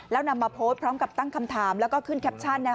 แล้วนำมาโพสต์พร้อมกับตั้งคำถามแล้วก็ขึ้นแคปชั่น